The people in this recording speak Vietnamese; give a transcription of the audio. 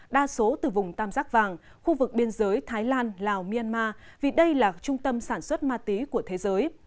đa số từ vùng tam giác vàng khu vực biên giới thái lan lào myanmar vì đây là trung tâm sản xuất ma túy của thế giới